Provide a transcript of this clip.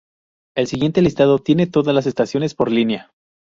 El siguiente listado tiene todas las estaciones por línea.